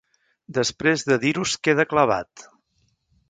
Després de dir-ho es queda clavat.